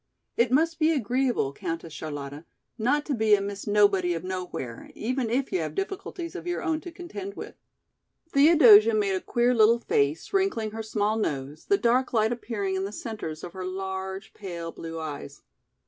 "It must be agreeable, Countess Charlotta, not to be a Miss Nobody of Nowhere, even if you have difficulties of your own to contend with." Theodosia made a queer little face, wrinkling her small nose, the dark light appearing in the centres of her large, pale blue eyes.